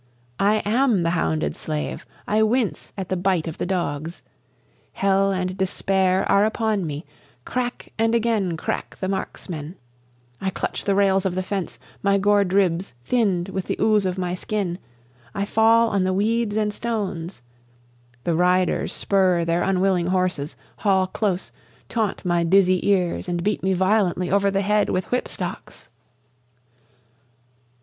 I am the hounded slave, I wince at the bite of the dogs, Hell and despair are upon me, crack and again crack the marksmen, I clutch the rails of the fence, my gore dribs, thinn'd with the ooze of my skin, I fall on the weeds and stones, The riders spur their unwilling horses, haul close, Taunt my dizzy ears and beat me violently over the head with whip stocks.